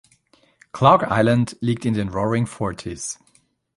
Clarke Island liegt in den Roaring Forties.